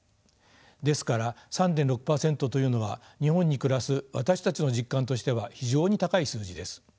ですから３．６％というのは日本に暮らす私たちの実感としては非常に高い数字です。